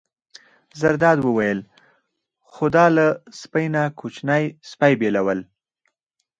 زرداد وویل: خو دا له سپۍ نه کوچنی سپی بېلول.